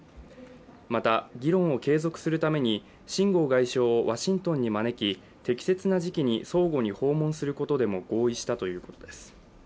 また、議論を継続するために秦剛外相をワシントンに招き適切な時期に相互に訪問することでも合意したということです。